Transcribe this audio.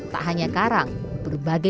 tak hanya karang